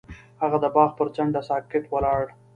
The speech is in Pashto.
هغه د باغ پر څنډه ساکت ولاړ او فکر وکړ.